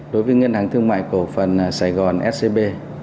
đối với ngân hàng thương mại cổ phần sài gòn scb